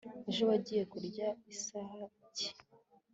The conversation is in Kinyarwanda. ejo wagiye kuryama isaha ki